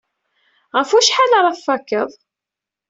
Ɣef wacḥal ara tfakeḍ?